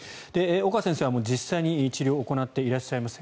岡先生は実際に治療を行っていらっしゃいます。